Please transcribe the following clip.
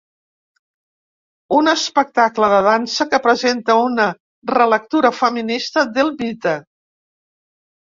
Un espectacle de dansa que presenta una relectura feminista del mite.